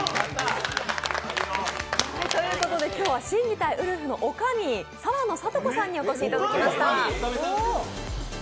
今日は心・技・体「うるふ」のおかみ、澤野理子さんにお越しいただきました。